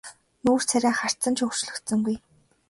Нүүр царай харц нь ч өөрчлөгдсөнгүй.